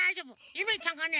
ゆめちゃんがね